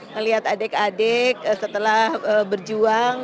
melihat adik adik setelah berjuang